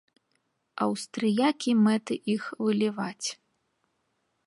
Аўстрыякі мэты іх выліваць.